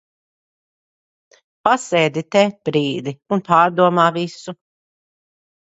Pasēdi te brīdi un pārdomā visu.